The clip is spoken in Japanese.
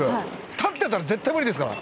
立ってたら絶対無理ですから。